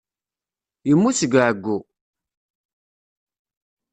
Yemmut seg uɛeyyu.